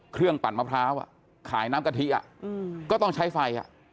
ปั่นมะพร้าวขายน้ำกะทิก็ต้องใช้ไฟ